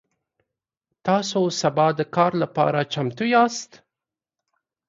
تاسو سبا د کار لپاره چمتو یاست؟